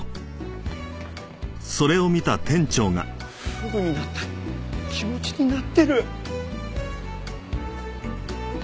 フグになった気持ちになってる！